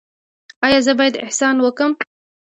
ایا زه باید احسان وکړم؟